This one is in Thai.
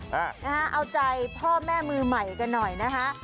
เอาแรกนะฮะเอาใจพ่อแม่มือใหม่กันหน่อยนะฮะ